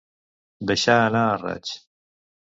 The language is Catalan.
Deixar anar a raig.